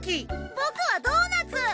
僕はドーナツ！